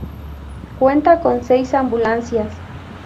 Cuenta con seis ambulancias.